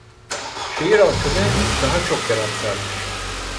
Şehir halkını daha çok merak sarmış.